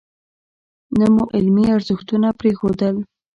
نه مو علمي ارزښتونه پرېښودل.